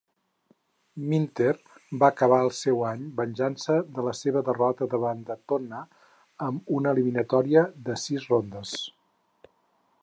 Minter va acabar el seu any venjant-se de la seva derrota davant de Tonna amb una eliminatòria de sis rondes.